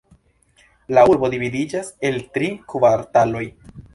La urbo dividiĝas el tri kvartaloj.